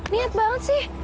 niat banget sih